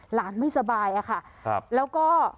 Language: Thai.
หลานไม่สบายแล้วก็